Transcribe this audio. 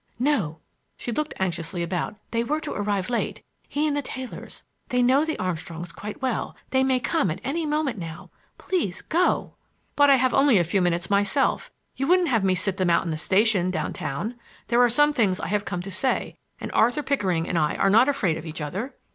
"No,"—she looked anxiously about,—"they were to arrive late, he and the Taylors; they know the Armstrongs quite well. They may come at any moment now. Please go!" "But I have only a few minutes myself,—you wouldn't have me sit them out in the station down town? There are some things I have come to say, and Arthur Pickering and I are not afraid of each other!"